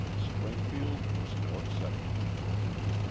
Springfield was no exception.